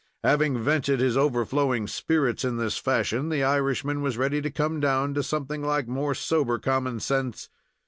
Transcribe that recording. Having vented his overflowing spirits in this fashion, the Irishman was ready to come down to something like more sober common sense.